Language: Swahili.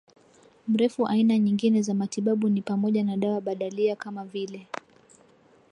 mrefuAina nyingine za matibabu ni pamoja na dawa badalia kama vile